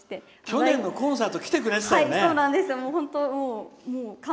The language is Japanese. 去年のコンサート来てくれてたよね！